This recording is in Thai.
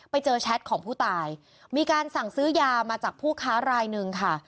แชทของผู้ตายมีการสั่งซื้อยามาจากผู้ค้ารายหนึ่งค่ะ